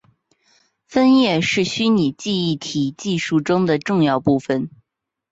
分页是虚拟记忆体技术中的重要部份。